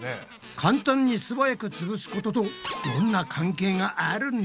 簡単に素早くつぶすこととどんな関係があるんだ？